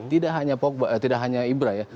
tidak hanya ibra ya